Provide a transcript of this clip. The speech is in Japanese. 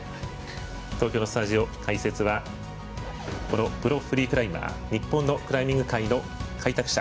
東京のスタジオ解説は、プロフリークライマー日本のクライミング界の開拓者